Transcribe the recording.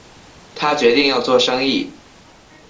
他决定要做生意